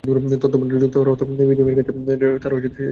তথ্যভান্ডারে যুক্ত হওয়ার অর্থ বিজিএমইএর কাছে দেওয়ার পরই তারা সেবা পাবে।